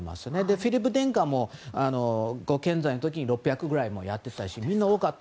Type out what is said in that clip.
フィリップ殿下もご健在の時は６００ぐらいやってたしみんな多かった。